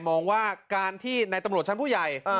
มองว่าการที่ในตำรวจชั้นผู้ใหญ่